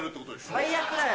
最悪だよ。